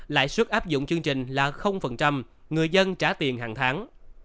lãi suất áp dụng chương trình là người dân trả tiền hàng tháng